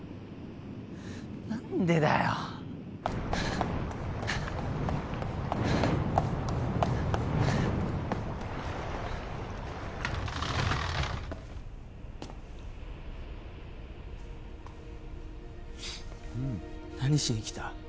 何でだよっ何しに来た？